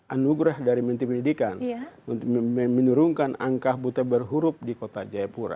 anugerah dari menteri pendidikan untuk menurunkan angka buta berhurup di kota jayapura